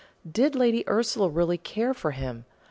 Did Lady Ursula really care for him?